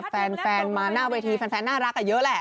แฟนมาหน้าเวทีแฟนน่ารักเยอะแหละ